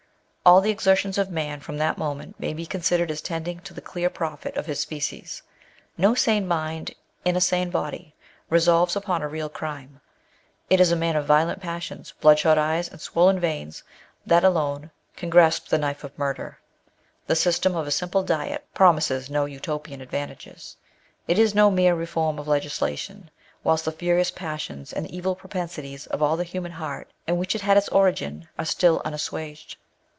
All the exertions of man, from that moment, may be considered as tending to the clear profit of his species. No sane mind in a sane body resolves upon a real crime. It is a man of violent passions, blood shot eyes, and swollen veins, that alone can grasp the knife Digitized by Google 16 A Vindication of Natural Diet. of murder. The system of a simple diet jH^mises no Utopian advantages. It is no mere reform of legislation, whilst the furious passions and evil propensities of the human heart, in which it had its origin, are still unassuaged.